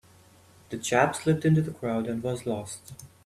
The chap slipped into the crowd and was lost.